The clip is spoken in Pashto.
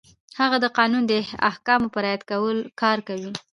هغه د قانون د احکامو په رعایت کار کوي.